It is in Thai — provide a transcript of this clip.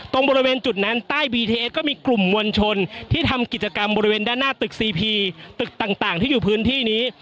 ตรงบริเวณจุดนั้นใต้บีทีเอสก็มีกลุ่มมวลชนที่ทำกิจกรรมบริเวณด้านหน้าตึกซีพีตึกต่างที่อยู่พื้นที่นี้